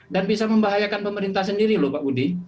dan bisa membahayakan pemerintah sendiri lho pak budi